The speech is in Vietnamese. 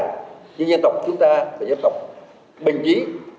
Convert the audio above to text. nhưng dân tộc chúng ta là dân tộc bình trí